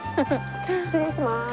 失礼します。